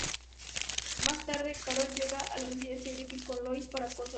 Más tarde, Carol llega a la residencia Griffin, con Lois para consolarla.